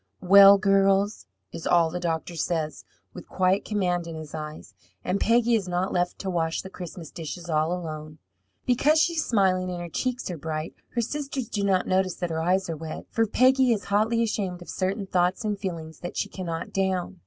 "Well, girls?" is all the doctor says, with quiet command in his eyes, and Peggy is not left to wash the Christmas dishes all alone. Because she is smiling and her cheeks are bright, her sisters do not notice that her eyes are wet, for Peggy is hotly ashamed of certain thoughts and feelings that she cannot down.